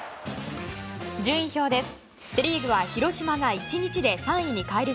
順位表です。